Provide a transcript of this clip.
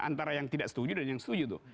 antara yang tidak setuju dan yang setuju tuh